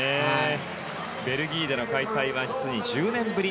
ベルギーでの開催は実に１０年ぶり。